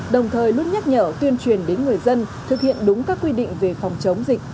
đồng thời luôn nhắc nhở tuyên truyền đến người dân thực hiện đúng các quy định về phòng chống dịch